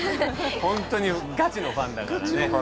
本当にガチのファンだからね。